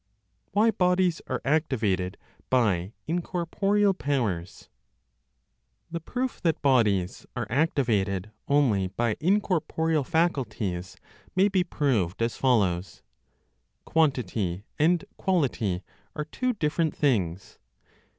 WHY BODIES ARE ACTIVATED BY INCORPOREAL POWERS. The proof that bodies are activated only by incorporeal faculties may be proved as follows: Quantity and quality are two different things.